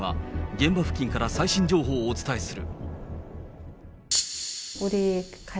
現場付近から最新情報をお伝えする。